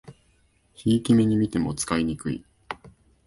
ひいき目にみても使いにくい